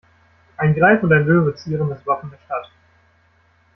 Ein Greif und ein Löwe zieren das Wappen der Stadt.